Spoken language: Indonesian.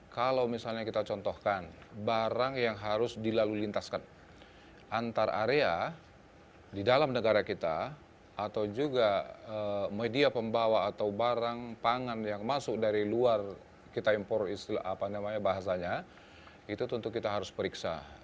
kalau misalnya kita contohkan barang yang harus dilalu lintaskan antar area di dalam negara kita atau juga media pembawa atau barang pangan yang masuk dari luar kita impor bahasanya itu tentu kita harus periksa